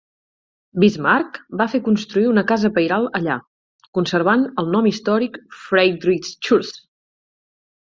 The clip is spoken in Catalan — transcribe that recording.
Bismarck va fer construir una casa pairal allà, conservant el nom històric Friedrichsruh.